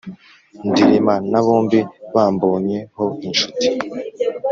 ndilima na bombi bambonye ho inshuti.